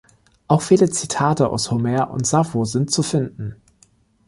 Auch viele Zitate aus Homer und Sappho sind zu finden.